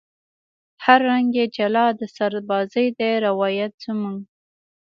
هر رنگ یې جلا د سربازۍ دی روایت زموږ